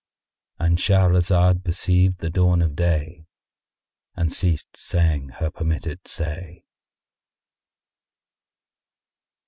——And Shahrazad perceived the dawn of day and ceased saying her permitted say.